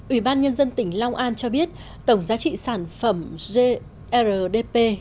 ủy ban nhân dân tỉnh long an cho biết tổng giá trị sản phẩm grdp